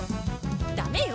ダメよ。